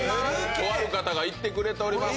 とある方が行ってくれております